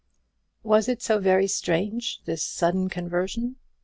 Was it so very strange, this sudden conversion?